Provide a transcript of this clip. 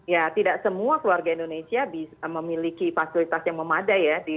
ya tidak semua keluarga indonesia memiliki fasilitas yang memadai ya di rumahnya masing masing untuk melakukan isolasi mandiri